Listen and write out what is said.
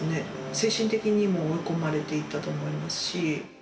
精神的にも追い込まれていたと思いますし。